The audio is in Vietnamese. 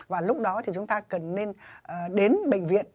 và lúc đó thì chúng ta cần nên đến bệnh viện